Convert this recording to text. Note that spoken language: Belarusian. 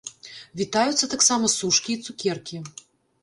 Вітаюцца таксама сушкі і цукеркі!